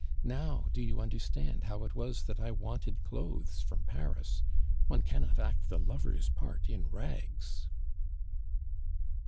Now do you understand how it was that I wanted clothes from Paris? One cannot act the lover's part in rags."